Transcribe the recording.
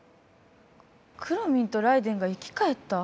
くろミンとライデェンが生きかえった？